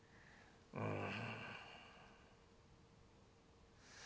うん。